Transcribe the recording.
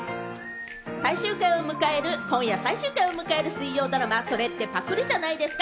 今夜最終回を迎える水曜ドラマ『それってパクリじゃないですか？』